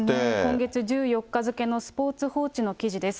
今月１４日付のスポーツ報知の記事です。